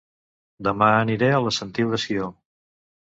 Dema aniré a La Sentiu de Sió